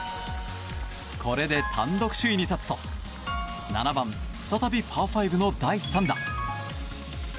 これで単独首位に立つと７番、再びパー５の第３打。